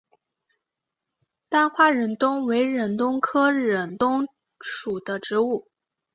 单花忍冬为忍冬科忍冬属的植物。